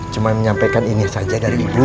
cuma menyampaikan ini saja dari ibu